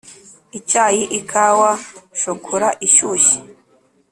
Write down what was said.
icyayi / ikawa / shokora ishyushye